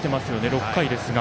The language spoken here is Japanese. ６回ですが。